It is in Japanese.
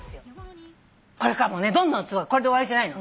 これからもねどんどんこれで終わりじゃないの。